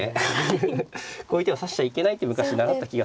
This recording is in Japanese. こういう手を指しちゃいけないって昔習った気がするんで。